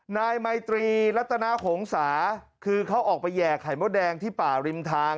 นายมัยตรีลัตนาโขงสาคือเขาออกไปแยกไขม้วแดงที่ป่าริมทาง